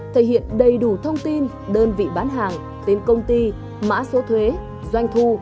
thể hiện đầy đủ thông tin đơn vị bán hàng tên công ty mã số thuế doanh thu